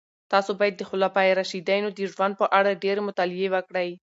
تاسو باید د خلفای راشدینو د ژوند په اړه ډېرې مطالعې وکړئ.